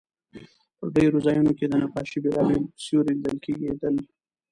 په ډېرو ځایونو کې د نقاشۍ بېلابېل سیوري لیدل کېدل.